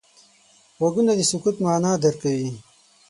غوږونه د سکوت معنا درک کوي